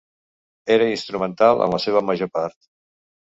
Era instrumental en la seva major part.